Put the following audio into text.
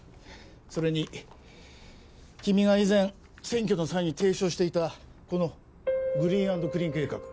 それに君が以前選挙の際に提唱していたこのグリーン＆クリーン計画。